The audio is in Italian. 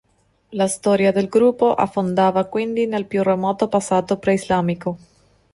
La storia del gruppo affondava quindi nel più remoto passato preislamico.